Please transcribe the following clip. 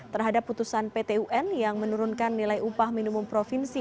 terhadap putusan pt un yang menurunkan nilai upah minimum provinsi